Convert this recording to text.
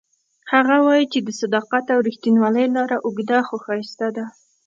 هغه وایي چې د صداقت او ریښتینولۍ لاره اوږده خو ښایسته ده